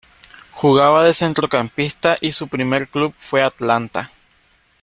Jugaba de centrocampista y su primer club fue Atlanta.